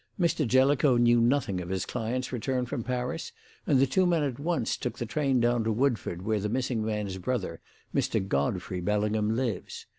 Mr. Jellicoe knew nothing of his client's return from Paris, and the two men at once took the train down to Woodford, where the missing man's brother, Mr. Godfrey Bellingham, lives.